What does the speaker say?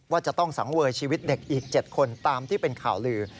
ว่าจะต้องสังเวยชีวิตเด็กอีก๗คนตามที่เป็นข่าวลือ